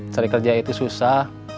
cari kerja itu susah